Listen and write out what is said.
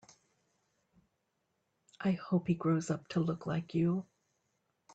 I hope he grows up to look like you.